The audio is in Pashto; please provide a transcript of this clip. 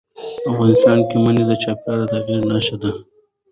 افغانستان کې منی د چاپېریال د تغیر نښه ده.